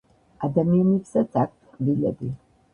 ადამიანებსაც აქვთ კბილები